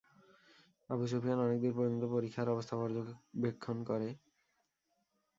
Abu Sufyan অনেক দূর পর্যন্ত পরিখার অবস্থা পর্যবেক্ষণ করে।